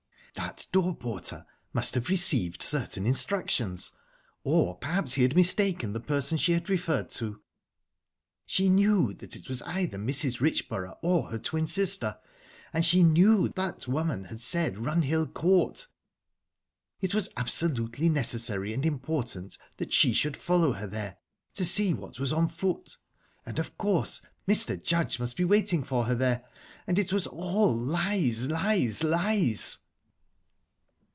that the door porter must have received certain instructions or, perhaps he had mistaken the person she had referred to. She knew that it was either Mrs. Richborough or her twin sister. And she knew that that woman had said "Runhill Court." It was absolutely necessary and important that she should follow her there, to see what was on foot ...And, of course, Mr. Judge must be waiting for her there...and it was all lies! lies! lies!